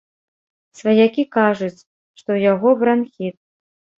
Сваякі кажуць, што ў яго бранхіт.